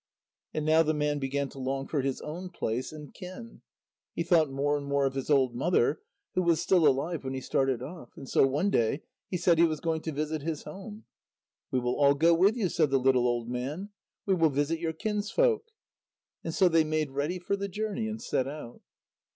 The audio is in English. And now the man began to long for his own place and kin. He thought more and more of his old mother, who was still alive when he started off. And so one day he said he was going to visit his home. "We will all go with you," said the little old man; "we will visit your kinsfolk." And so they made ready for the journey, and set out.